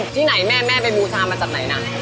ที่ไหนแม่แม่ไปบูชามาจากไหนนะ